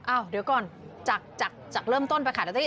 อ้าวเดี๋ยวก่อนจากเริ่มต้นไปค่ะหลักษณะที่